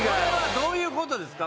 どういうことですか？